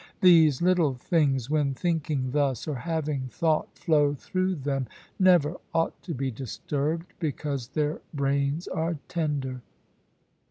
These little things, when thinking thus, or having thought flow through them, never ought to be disturbed, because their brains are tender.